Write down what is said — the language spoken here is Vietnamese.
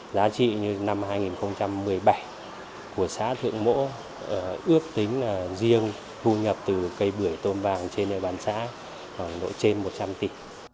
giá trị như năm hai nghìn một mươi bảy của xá thượng mỗ ước tính riêng thu nhập từ cây bưởi tôm vàng trên nơi bán xá nổi trên một trăm linh tỷ